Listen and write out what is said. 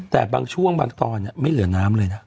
แต่บางช่วงบางตอนไม่เหลือน้ำเลยนะ